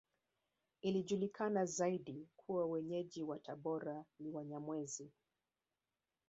Inajulikana zaidi kuwa Wenyeji wa Tabora ni Wanyamwezi